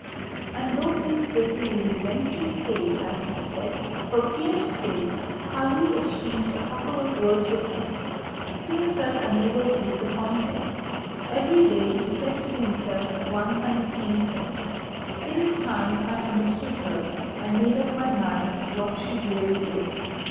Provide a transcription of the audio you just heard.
And though Prince Vasíli, when he stayed in (as he said) for Pierre's sake, hardly exchanged a couple of words with him, Pierre felt unable to disappoint him. Every day he said to himself one and the same thing: "It is time I understood her and made up my mind what she really is.